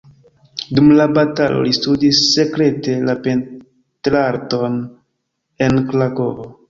Dum la batalo li studis sekrete la pentrarton en Krakovo.